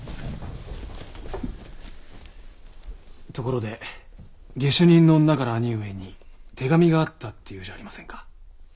ところで下手人の女から兄上に手紙があったっていうじゃありませんか。